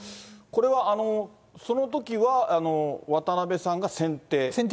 これは、そのときは渡辺さんが先手。